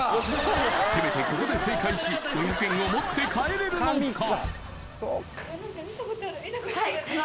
せめてここで正解し５００円を持って帰れるのか？